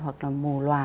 hoặc là mù loà